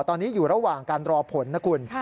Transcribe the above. ตอนนี้อยู่ระหว่างการรอผลนะคุณ